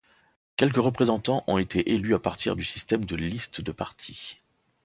Quelques représentants ont été élus à partir du système de liste de parti.